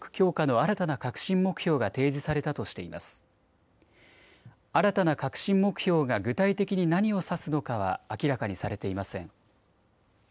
新たな核心目標が具体的に何を指すのかは明らかにされていません。